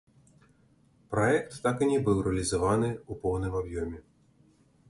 Праект так і не быў рэалізаваны ў поўным аб'ёме.